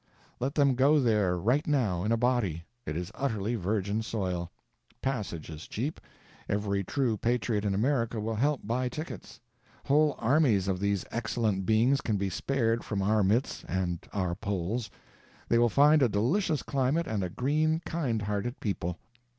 Let them go there, right now, in a body. It is utterly virgin soil. Passage is cheap. Every true patriot in America will help buy tickets. Whole armies of these excellent beings can be spared from our midst and our polls; they will find a delicious climate and a green, kind hearted people.